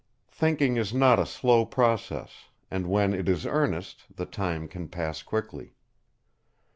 Thinking is not a slow process; and when it is earnest the time can pass quickly.